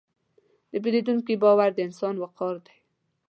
د پیرودونکي باور د انسان وقار دی.